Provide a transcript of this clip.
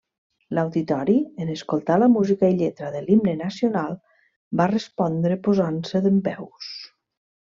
L'auditori, en escoltar la música i lletra de l'Himne Nacional, va respondre posant-se dempeus.